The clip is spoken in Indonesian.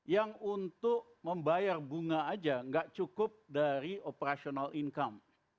yang untuk membayar bunga aja nggak cukup dari operational income